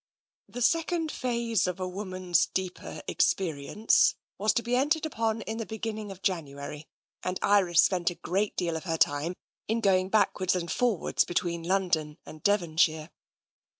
The second phase of a woman's deeper experience was to be entered upon in the beginning of January, and Iris spent a great deal of her time in going back wards and forwards between London and Devonshire.